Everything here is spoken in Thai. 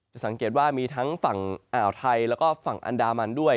สังเกตว่ามีทั้งฝั่งอ่าวไทยแล้วก็ฝั่งอันดามันด้วย